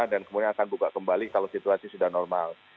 dan kemudian akan buka kembali kalau situasi sudah normal